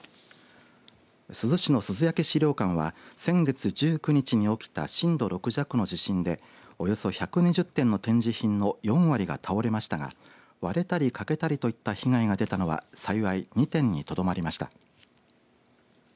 珠洲市の珠洲焼資料館は先月１９日に起きた震度６弱の地震でおよそ１２０点の展示品の４割が倒れましたが割れたり欠けたりといった被害が出たのは幸い２点にとどまりました。